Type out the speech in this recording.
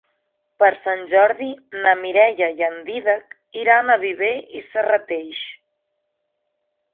Per Sant Jordi na Mireia i en Dídac iran a Viver i Serrateix.